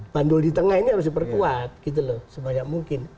bandul di tengah ini harus diperkuat gitu loh sebanyak mungkin